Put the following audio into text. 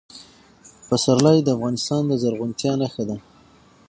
پسرلی د افغانستان د زرغونتیا نښه ده.